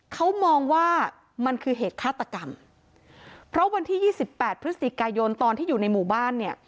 เขามองว่ามันคือเหตุฆาตกรรมเพราะวันที่ยี่สิบแปดพฤศจิกายนตอนที่อยู่ในหมู่บ้านเนี่ย